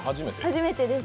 初めてです。